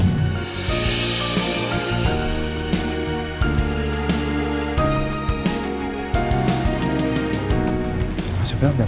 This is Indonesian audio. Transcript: aku akan menjadi orang paling depan